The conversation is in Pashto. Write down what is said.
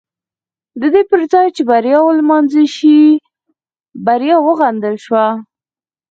د دې پر ځای چې بریا ونمانځل شي بریا وغندل شوه.